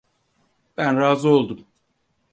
Ben razı oldum.